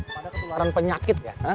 pada ketularan penyakit ya